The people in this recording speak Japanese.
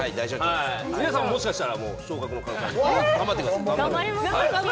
皆さんも、もしかしたら昇格の可能性がありますので頑張ってください。